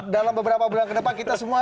dalam beberapa bulan ke depan kita semua